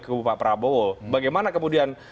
kubu pak prabowo bagaimana kemudian